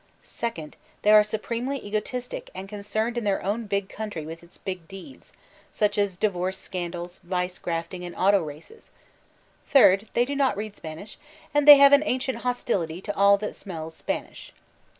Second, they are supremely egotistic and concerned in their own big country with its big deeds — such as divorce scandab, vice grafting, and auto races. Third, they do not read Spanish, and they have an ancient hostility to all that smells Spanish.